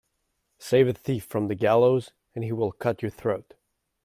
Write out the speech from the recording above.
Save a thief from the gallows and he will cut your throat.